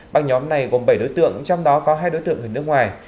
băng nhóm này gồm bảy đối tượng trong đó có hai đối tượng người nước ngoài